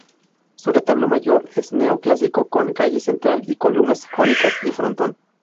Su retablo mayor es neoclásico con calle central y con columnas jónicas y frontón.